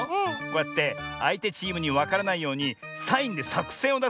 こうやってあいてチームにわからないようにサインでさくせんをだすんだね。